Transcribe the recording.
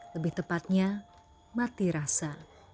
lebih tepatnya mati rasa